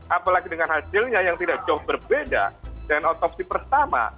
apalagi dengan hasilnya yang tidak jauh berbeda dengan otopsi pertama